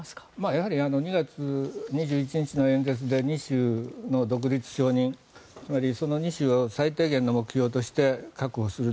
やはり２月２１日の演説で２州の独立承認つまりその２州を最低限の目標として確保する。